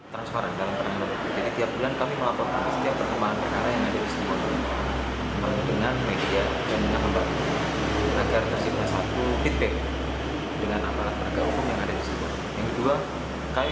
transparan dalam perangkat hukum jadi tiap bulan kami melakukan setiap perkembangan kekaraan yang ada di situbondo